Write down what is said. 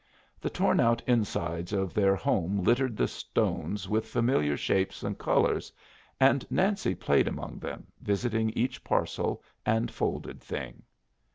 The torn out insides of their home littered the stones with familiar shapes and colors, and Nancy played among them, visiting each parcel and folded thing.